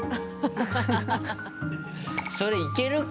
それいけるか？